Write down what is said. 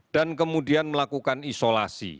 dan kemudian melakukan isolasi